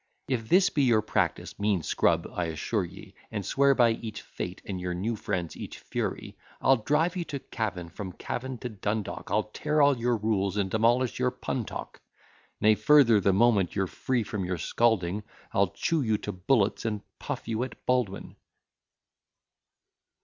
If this be your practice, mean scrub, I assure ye, And swear by each Fate, and your new friends, each Fury, I'll drive you to Cavan, from Cavan to Dundalk; I'll tear all your rules, and demolish your pun talk: Nay, further, the moment you're free from your scalding, I'll chew you to bullets, and puff you at Baldwin.